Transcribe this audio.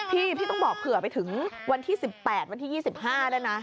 พี่พี่ต้องบอกเผื่อไปถึงวันที่๑๘วันที่๒๕ด้วยนะ